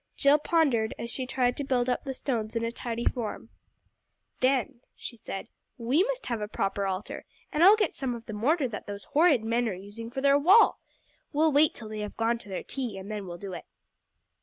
Jill pondered, as she tried to build up the stones in a tidy form. "Then," she said, "we must have a proper altar, and I'll get some of the mortar that those horrid men are using for their wall. We'll wait till they have gone to their tea, and then we'll do it."